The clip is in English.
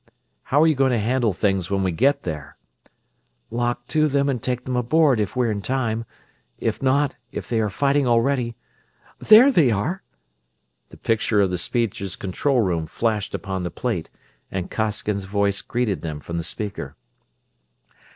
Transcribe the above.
"How are you going to handle things when we get there?" "Lock to them and take them aboard if we're in time. If not, if they are fighting already there they are!" The picture of the speedster's control room flashed upon the plate and Costigan's voice greeted them from the speaker.